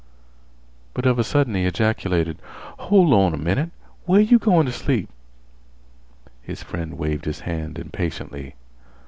But of a sudden he ejaculated: "Hol' on a minnit! Where you goin' t' sleep?" His friend waved his hand impatiently.